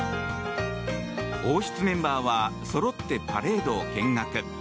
王室メンバーはそろってパレードを見学。